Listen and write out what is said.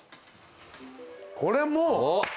これもう。